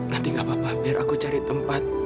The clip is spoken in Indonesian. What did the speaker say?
nanti gak apa apa biar aku cari tempat